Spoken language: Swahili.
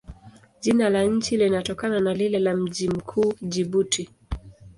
Jina la nchi linatokana na lile la mji mkuu, Jibuti.